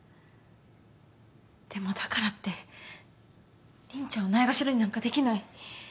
でもだからって凛ちゃんをないがしろになんかできない。